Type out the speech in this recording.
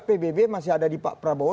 pbb masih ada di pak prabowo